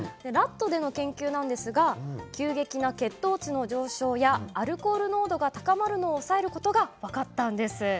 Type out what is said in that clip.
ラットでの研究なんですが急激な血糖値の上昇やアルコール濃度が高まるのを抑えることが分かったんです。